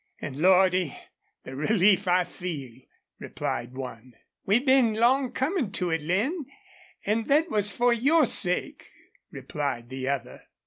An', Lordy! the relief I feel!" replied one. "We've been long comin' to it, Lin, an' thet was for your sake," replied the other.